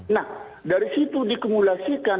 nah dari situ dikumulasikan